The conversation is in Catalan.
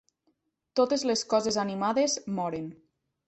Totes les coses animades moren.